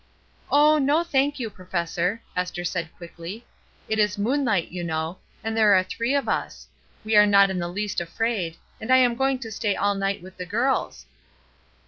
''Oh, no, thank you, Professor," Esther said quickly. "It is moonlight, you know, and there are three of us; we are not in the least afraid, and I am going to stay all night with the girls."